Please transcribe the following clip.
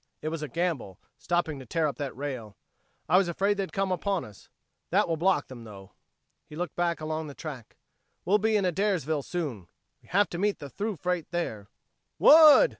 It was a gamble, stopping to tear up that rail. I was afraid they'd come up on us. That will block them, though." He looked back along the track. "We'll be in Adairsville soon. We have to meet the through freight there." "Wood!"